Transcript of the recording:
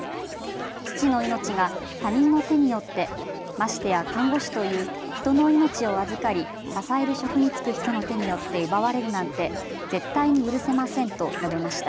父の命が他人の手によってましてや看護師という人の命を預かり支える職に就く人の手によって奪われるなんて絶対に許せませんと述べました。